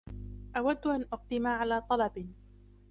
أود أن أقدم على طلب.